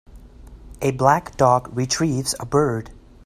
A black dog retrieves a bird.